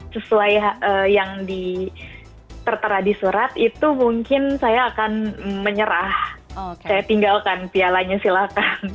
sesuai yang tertera di surat itu mungkin saya akan menyerah saya tinggalkan pialanya silahkan